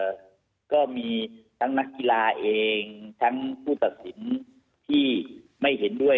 และก็สปอร์ตเรียนว่าคำน่าจะมีการล็อคกรมการสังขัดสปอร์ตเรื่องหน้าในวงการกีฬาประกอบสนับไทย